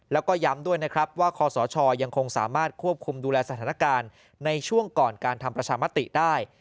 แล้วก็ย้ำด้วยนะครับว่าคอสชยังคงสามารถควบคุมดูแลสถานการณ์ในช่วงก่อนการทำประชามติได้